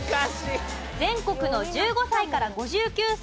全国の１５歳から５９歳の男女